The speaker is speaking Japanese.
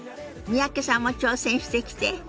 三宅さんも挑戦してきて。